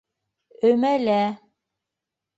Өмәлә